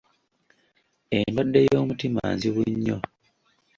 Endwadde y'omutima nzibu nnyo.